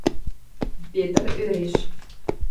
— Петр ӧреш.